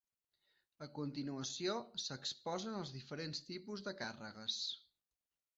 A continuació s'exposen els diferents tipus de càrregues.